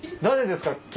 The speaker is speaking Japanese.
誰ですか？